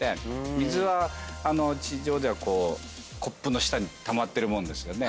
水は地上ではコップの下にたまってるもんですよね。